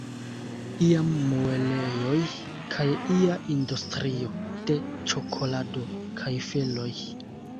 Iam muelejoj kaj ia industrio de ĉokolado kaj feloj.